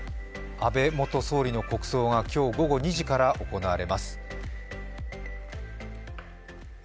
安倍元総理の国葬が今日午後２時から行われます。